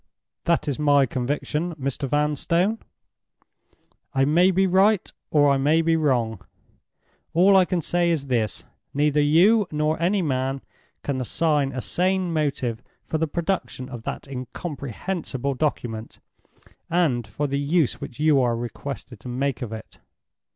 That is my conviction, Mr. Vanstone. I may be right, or I may be wrong. All I say is this—neither you, nor any man, can assign a sane motive for the production of that incomprehensible document, and for the use which you are requested to make of it."